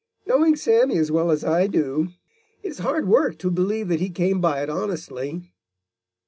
Knowing Sammy as well as I do, it is hard work to believe that he came by it honestly."